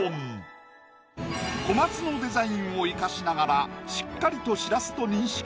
小松のデザインを生かしながらしっかりと。